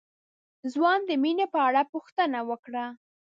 ځوان د مينې په اړه پوښتنه وکړه.